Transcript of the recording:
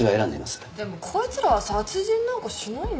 でもこいつらは殺人なんかしないんじゃないかな。